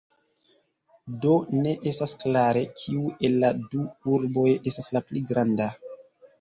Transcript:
Do ne estas klare, kiu el la du urboj estas la pli granda.